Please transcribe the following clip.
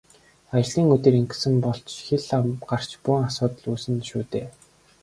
Ажлын өдөр ингэсэн бол ч хэл ам гарч бөөн асуудал үүснэ шүү дээ.